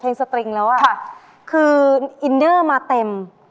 โปรดติดตามต่อไป